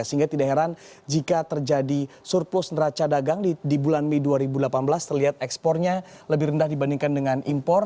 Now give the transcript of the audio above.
sehingga tidak heran jika terjadi surplus neraca dagang di bulan mei dua ribu delapan belas terlihat ekspornya lebih rendah dibandingkan dengan impor